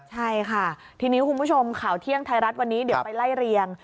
ใช่ค่ะทีนี้คุณผู้ชมข่าวเที่ยงไทยรัฐวันนี้เดี๋ยวไปไล่เรียง